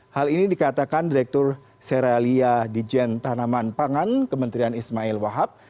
hal ini dikatakan direktur seralia dijen tanaman pangan kementerian ismail wahab